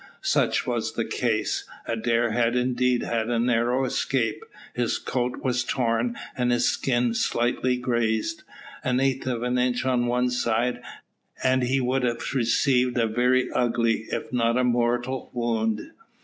Such was the case. Adair had indeed had a narrow escape; his coat was torn and his skin slightly grazed. An eighth of an inch on one side, and he would have received a very ugly, if not a mortal, wound.